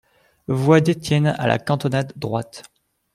Voix d'Etienne, à la cantonade droite.